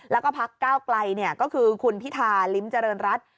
แล้วก็พักก้าวไกลก็คือคุณพิธาลิ้มเจริญรัฐ